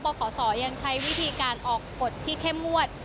ขศยังใช้วิธีการออกกฎที่เข้มงวด